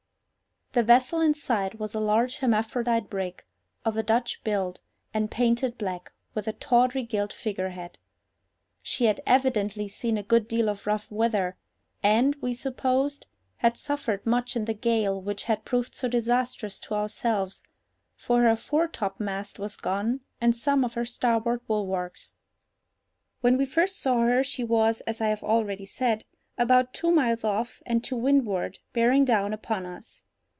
The vessel in sight was a large hermaphrodite brig, of a Dutch build, and painted black, with a tawdry gilt figure head. She had evidently seen a good deal of rough weather, and, we supposed, had suffered much in the gale which had proved so disastrous to ourselves; for her foretopmast was gone, and some of her starboard bulwarks. When we first saw her, she was, as I have already said, about two miles off and to windward, bearing down upon us.